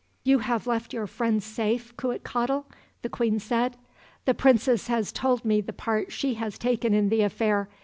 "'You have left your friend safe, Cuitcatl?' the queen said. 'The princess has told me the part she has taken in the affair.